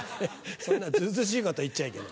そんな図々しいこと言っちゃいけない。